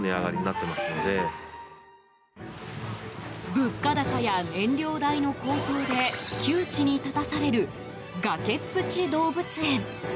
物価高や燃料代の高騰で窮地に立たされる崖っぷち動物園。